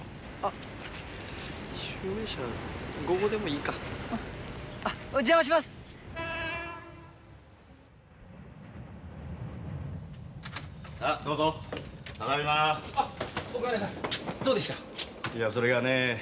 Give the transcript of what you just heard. いやそれがね